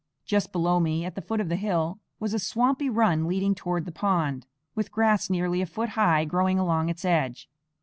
Just below me, at the foot of the hill, was a swampy run leading toward the pond, with grass nearly a foot high growing along its edge.